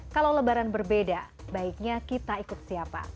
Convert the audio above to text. kalau lebaran berbeda baiknya kita ikut siapa